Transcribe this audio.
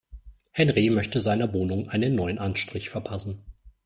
Henry möchte seiner Wohnung einen neuen Anstrich verpassen.